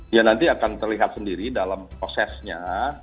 ya nanti akan terlihat sendiri dalam prosesnya